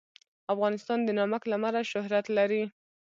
افغانستان د نمک له امله شهرت لري.